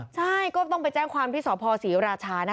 ใช่ก็ต้องไปแจ้งความที่สพศรีราชานะคะ